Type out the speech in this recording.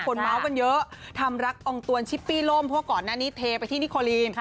เมาส์กันเยอะทำรักองค์ตวนชิปปี้ล่มเพราะก่อนหน้านี้เทไปที่นิโคลีน